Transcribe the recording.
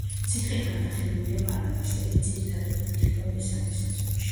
ციხე გადაღებულია პანამაში და იგი ძირითადად გვხვდება მესამე სეზონში.